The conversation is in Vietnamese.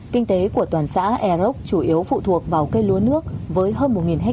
kinh tế của toàn xã e rốc chủ yếu phụ thuộc vào cây lúa nước với hơn một ha